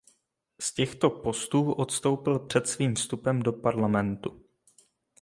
Z těchto postů odstoupil před svým vstupem do parlamentu.